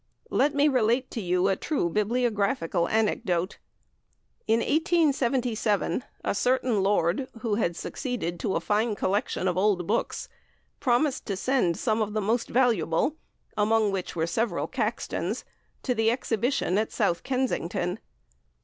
Let me relate to you a true bibliographical anecdote: In 1877, a certain lord, who had succeeded to a fine collection of old books, promised to send some of the most valuable (among which were several Caxtons) to the Exhibition at South Kensington.